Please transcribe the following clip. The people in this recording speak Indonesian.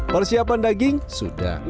persiapan daging sudah